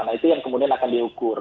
nah itu yang kemudian akan diukur